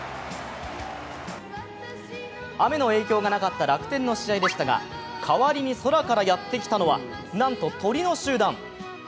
雨の影響がなかった楽天の試合でしたが、代わりに空からやってきたのはなんと鳥の集団。